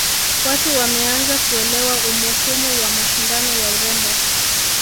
watu wameanza kuelewa umuhimu wa mashindano ya urembo